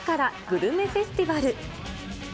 グルメフェスティバル。